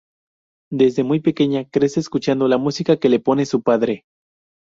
Desde muy pequeña crece escuchando la música que le pone su padre.